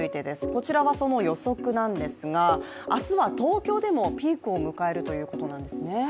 こちらがその予測なんですが、明日は東京でもピークを迎えるということなんですね。